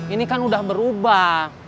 ini kan udah berubah